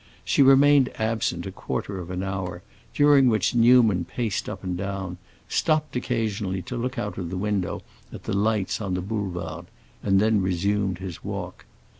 She remained absent a quarter of an hour, during which Newman paced up and down, stopped occasionally to look out of the window at the lights on the Boulevard, and then resumed his walk.